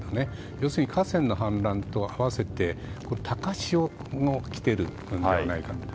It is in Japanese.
要するに河川の氾濫と併せて高潮も来てるのではないかと。